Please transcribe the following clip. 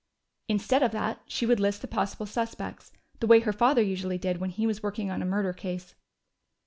Instead of that, she would list the possible suspects, the way her father usually did when he was working on a murder case.